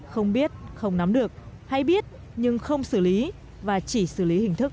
không biết không nắm được hay biết nhưng không xử lý và chỉ xử lý hình thức